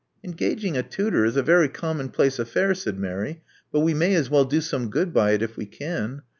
Engaging a tutor is a very commonplace affair," said Mary; but we may as well do some good by it if we can.